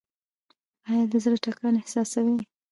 ایا د زړه ټکان احساسوئ؟